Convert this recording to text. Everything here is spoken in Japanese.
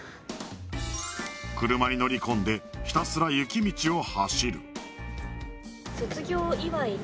車に乗り込んでひたすら雪道を走る卒業祝いで